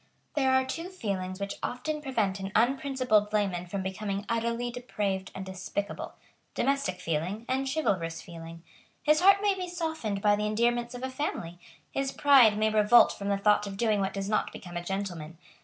There are two feelings which often prevent an unprincipled layman from becoming utterly depraved and despicable, domestic feeling, and chivalrous feeling. His heart may be softened by the endearments of a family. His pride may revolt from the thought of doing what does not become a gentleman.